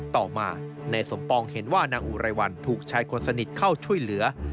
ต่อมานายสมปองเห็นว่านางอุไรวันถูกชายคนสนิทเข้าช่วยเหลือ